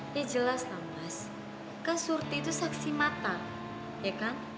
ya jelas loh mes kan surti itu saksi mata ya kan